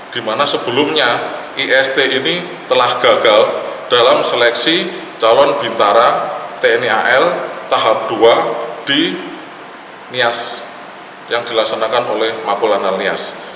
di mana sebelumnya ist ini telah gagal dalam seleksi calon bintara tni al tahap dua di nias yang dilaksanakan oleh mapol analias